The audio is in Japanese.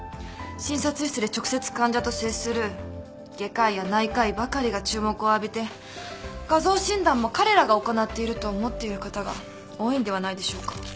診察室で直接患者と接する外科医や内科医ばかりが注目を浴びて画像診断も彼らが行っていると思っている方が多いんではないでしょうか？